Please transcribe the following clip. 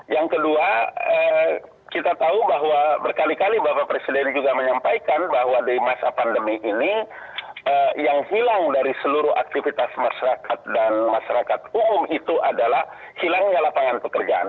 yang kedua kita tahu bahwa berkali kali bapak presiden juga menyampaikan bahwa di masa pandemi ini yang hilang dari seluruh aktivitas masyarakat dan masyarakat umum itu adalah hilangnya lapangan pekerjaan